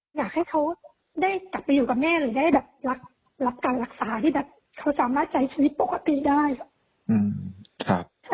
ใช่คือตอนอยู่ในห้องนี้ก็ประตูเข้ามามาถีบตีเรา